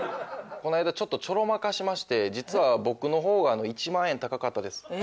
こないだちょっとちょろまかしまして実は僕の方が１万円高かったです。